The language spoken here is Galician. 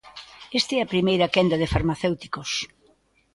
Esta é a primeira quenda de farmacéuticos.